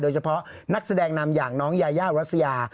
โดยเฉพาะนักแสดงนำอย่างน้องยายารัสยา